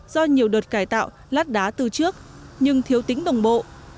do nhiều đợt cải tạo lát đá từ trước nhưng thiếu tính đồng bộ